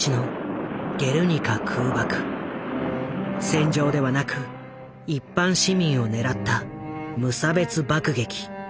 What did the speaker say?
戦場ではなく一般市民を狙った無差別爆撃。